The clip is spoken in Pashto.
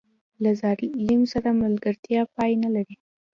له ظالم سره ملګرتیا پای نه لري.